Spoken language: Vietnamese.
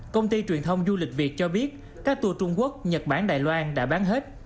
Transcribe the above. công ty truyền thông du lịch việt cho biết các tour trung quốc nhật bản đài loan đã bán hết